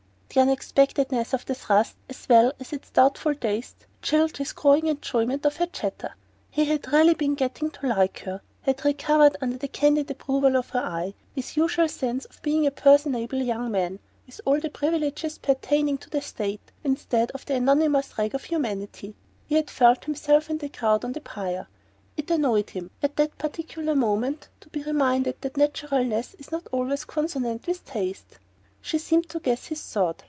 The unexpectedness of the thrust as well as its doubtful taste chilled his growing enjoyment of her chatter. He had really been getting to like her had recovered, under the candid approval of her eye, his usual sense of being a personable young man, with all the privileges pertaining to the state, instead of the anonymous rag of humanity he had felt himself in the crowd on the pier. It annoyed him, at that particular moment, to be reminded that naturalness is not always consonant with taste. She seemed to guess his thought.